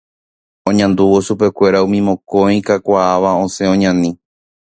Oñandúvo chupekuéra umi mokõi kakuaáva osẽ oñani.